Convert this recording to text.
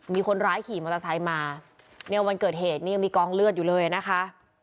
มีคนร้ายขี่มอเตอร์ไซค์มาเนี่ยวันเกิดเหตุนี่ยังมีกองเลือดอยู่เลยนะคะ